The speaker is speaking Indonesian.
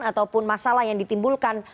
ataupun masalah yang ditimbulkan